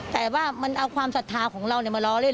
แต่ว่ามันเอาความศรัทธาของเรามาล้อเล่น